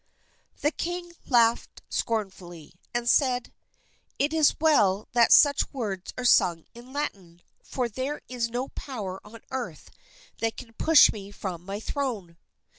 '" The king laughed scornfully, and said, "It is well that such words are sung in Latin, for there is no power on earth that can push me from my throne."